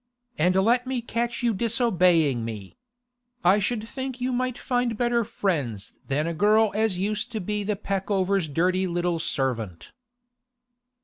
And let me catch you disobeying me! I should think you might find better friends than a girl as used to be the Peckovers' dirty little servant.